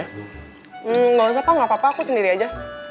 hmm gak usah pak gak apa apa aku sendiri aja